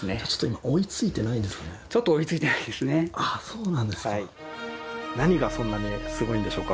ああそうなんですか。